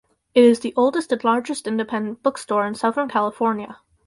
It is the oldest and largest independent bookstore in Southern California.